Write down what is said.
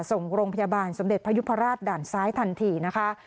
ส่งโรงพยาบาลสมเด็จพยุพราชด่านซ้ายทันทีนะคะ